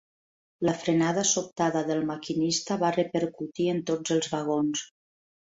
La frenada sobtada del maquinista va repercutir en tots els vagons.